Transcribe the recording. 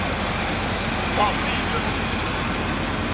Ṭṭfeɣ-t-id!